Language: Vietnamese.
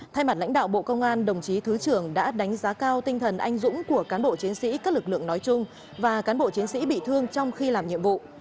thay mặt lãnh đạo bộ công an đồng chí thứ trưởng đã đánh giá cao tinh thần anh dũng của cán bộ chiến sĩ các lực lượng nói chung và cán bộ chiến sĩ bị thương trong khi làm nhiệm vụ